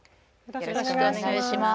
よろしくお願いします。